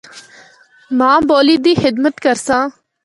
ماں بولی دی خدمت کرساں۔